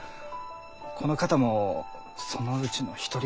この方もそのうちの一人です。